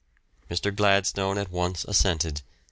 Mr. Gladstone at once assented.